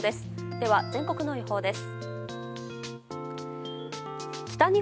では全国の予報です。